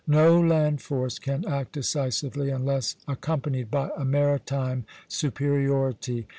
No land force can act decisively unless accompanied by a maritime superiority....